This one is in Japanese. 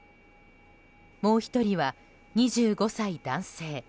もう１人は２５歳男性。